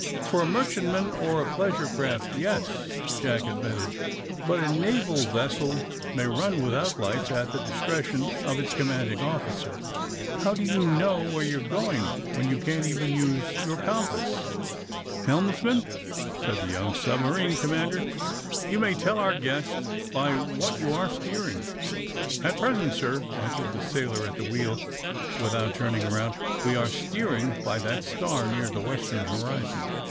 *^For a merchantman or a pleasure craft, yes," Jack admitted. But a naval vessel may run without lights at the discretion of its com manding officer. '' ^^How do you know where you're going when you can't even use your compass?" 168 THE SUBMAEINE BOYS *' Helmsman,'^ said the young submarine com mander, ^^you may tell our guest by what you are steering." ^^At present, sir," answered tbe sailor at the wheel, without turning around, *^we are steer ing by that star near the western horizon."